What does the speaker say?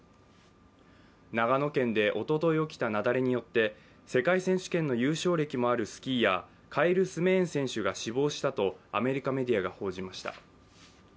長野県でおととい起きた雪崩によって、世界選手権の優勝歴もあるスキーヤー、カイル・スメーン選手が死亡したとアメリカメディアが報じました。